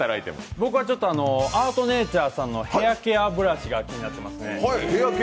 僕はアートネイチャーさんのヘアケアブラシが気になってますね。